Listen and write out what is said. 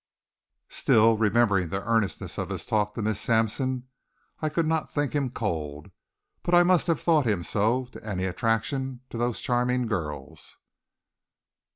Still, remembering the earnestness of his talk to Miss Sampson, I could not think him cold. But I must have thought him so to any attraction of those charming girls.